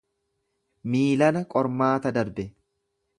Miilana qormaata darbe.